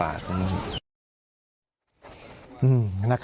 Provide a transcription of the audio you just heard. ร้านของรัก